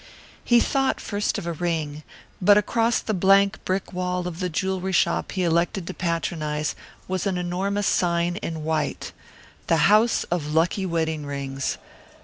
He thought first of a ring, but across the blank brick wall of the jewellery shop he elected to patronize was an enormous sign in white: The House of Lucky Wedding Rings.